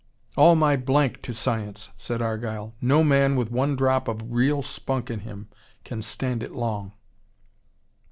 "All my to science," said Argyle. "No man with one drop of real spunk in him can stand it long."